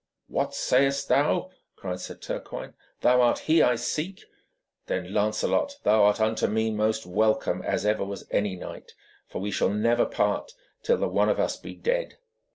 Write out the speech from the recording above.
'What sayest thou?' cried Sir Turquine. 'Thou art he I seek? Then, Lancelot, thou art unto me most welcome as ever was any knight, for we shall never part till the one of us be dead.'